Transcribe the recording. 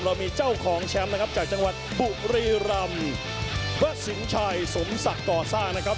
เรามีเจ้าของแชมป์นะครับจากจังหวัดบุรีรำพระสินชัยสมศักดิ์ก่อสร้างนะครับ